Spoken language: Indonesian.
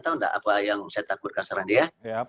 tahu nggak apa yang saya takutkan sekarang ini ya